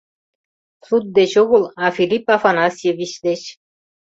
Суд деч огыл, а Филипп Афанасьевич деч...